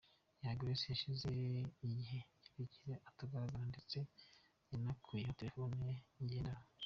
Young Grace hashize igihe kirekire atagaragara ndetse yanakuyeho telefone ye igendanwa.